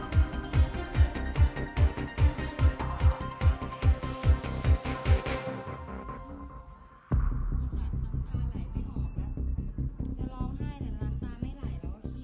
นี่คือฝั่งสีแบบสาหารพลัง